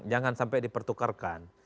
jangan sampai dipertukarkan